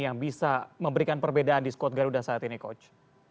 yang bisa memberikan perbedaan di squad garuda saat ini coach